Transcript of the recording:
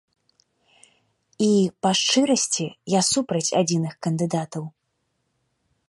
І, па шчырасці, я супраць адзіных кандыдатаў.